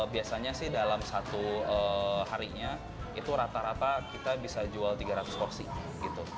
biasanya sih dalam satu harinya itu rata rata kita bisa jual tiga ratus porsi gitu